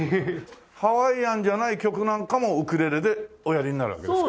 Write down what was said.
ハワイアンじゃない曲なんかもウクレレでおやりになるわけですか？